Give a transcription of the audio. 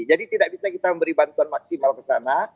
jadi tidak bisa kita memberi bantuan maksimal ke sana